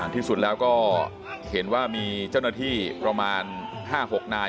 ที่สุดแล้วก็เห็นว่ามีเจ้าหน้าที่ประมาณ๕๖นาย